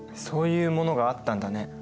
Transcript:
そういうものがあったんだね。